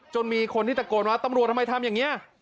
มีคนที่ตะโกนว่าตำรวจทำไมทำอย่างนี้